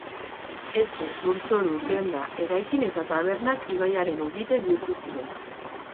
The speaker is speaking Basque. Etxe, lurzoru, denda, eraikin eta tabernak ibaiaren ubide bihurtu ziren.